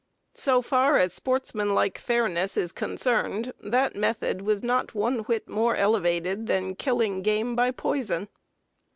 So far as sportsmanlike fairness is concerned, that method was not one whit more elevated than killing game by poison.